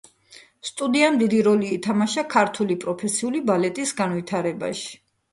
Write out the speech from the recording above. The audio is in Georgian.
სტუდიამ დიდი როლი ითამაშა ქართული პროფესიული ბალეტის განვითარებაში.